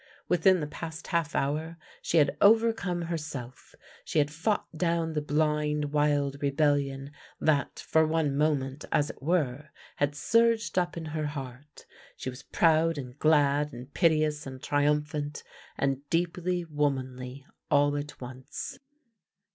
Within the past half hour she had overcome her self, she had fought down the blind wild rebellion that, for one moment, as it were, had surged up in her heart. She was proud and glad, and piteous and triumphant, and deeply womanly all at once.